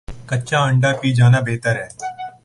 کچا انڈہ پی جانا بہتر ہے